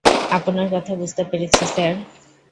আপনার কথা বুঝতে পেরেছি, স্যার।